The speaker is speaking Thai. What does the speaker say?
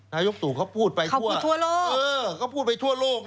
นายกตู่เขาพูดไปทั่วเขาพูดทั่วโลก